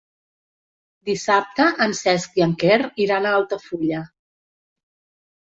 Dissabte en Cesc i en Quer iran a Altafulla.